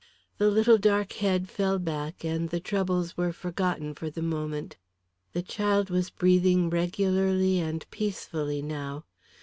The little dark head fell back and the troubles were forgotten for the moment. The child was breathing regularly and peacefully now.